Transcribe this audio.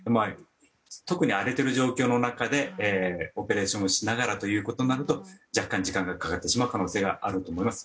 特に荒れている状況でオペレーションしながらとなると若干時間がかかってしまう可能性があると思います。